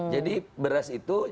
jadi beras itu